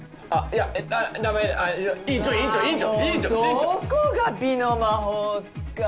もうどこが美の魔法使い